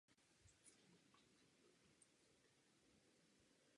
Nesla název "sobota".